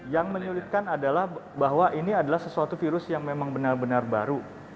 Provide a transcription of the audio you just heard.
yang menyulitkan adalah bahwa ini adalah sesuatu virus yang memang benar benar baru